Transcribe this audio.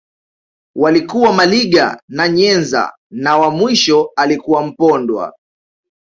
Walikuwa Maliga na Nyenza na wa mwisho alikuwa Mpondwa